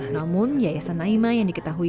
namun yayasan naima yang diketahui